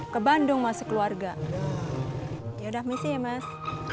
ke bandung masih keluarga yaudah misi ya mas